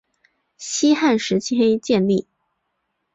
西汉时期建立。